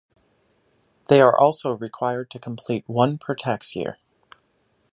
They are also required to complete one per tax year.